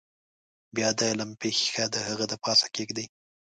بیا د لمپې ښيښه د هغه د پاسه کیږدئ.